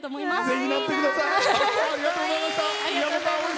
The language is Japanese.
ぜひなってください。